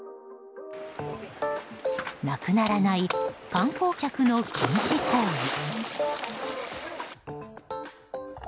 なくならない観光客の禁止行為。